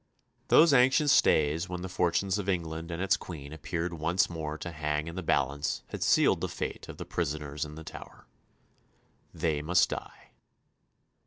Those anxious days when the fortunes of England and its Queen appeared once more to hang in the balance had sealed the fate of the prisoners in the Tower. They must die.